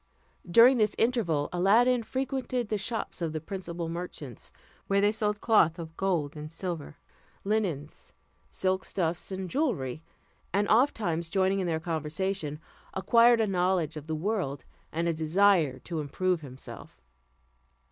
During this interval, Aladdin frequented the shops of the principal merchants, where they sold cloth of gold and silver, linens, silk stuffs, and jewellery, and, oftentimes joining in their conversation, acquired a knowledge of the world, and a desire to improve himself.